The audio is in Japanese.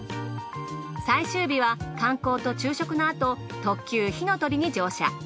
最終日は観光と昼食のあと特急ひのとりに乗車。